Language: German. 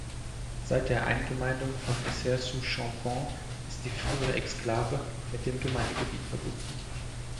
Seit der Eingemeindung von Essert-sous-Champvent ist die frühere Exklave mit dem Gemeindegebiet verbunden.